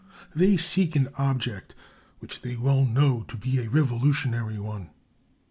They seek an object which they well know to be a revolutionary one.